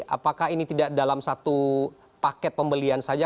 apakah ini tidak dalam satu paket pembelian saja